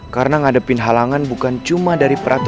karena ngadepin halangan bukan cuma dari perasaan